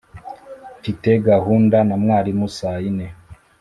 mfite gahunda na mwarimu saa yine